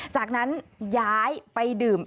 จากนั้นย้ายไปดื่ม